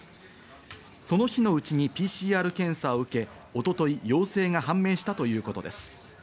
その日のうちにＰＣＲ検査を受け、一昨日陽性が判明したということです。